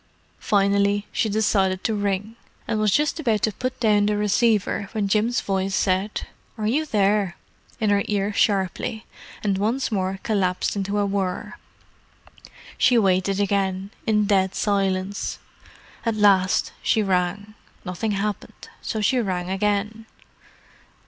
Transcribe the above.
Finally, she decided to ring: and was just about to put down the receiver when Jim's voice said, "Are you there?" in her ear sharply, and once more collapsed into a whir. She waited again, in dead silence. At last she rang. Nothing happened, so she rang again.